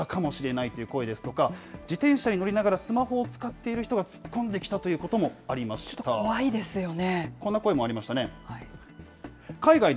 ひかれていたかもしれないという声ですとか、自転車に乗りながら、スマホを使っている人が突っ込んちょっと怖いですよね。